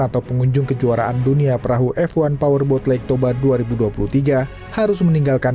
atau pengunjung kejuaraan dunia perahu f satu powerboat lake toba dua ribu dua puluh tiga harus meninggalkan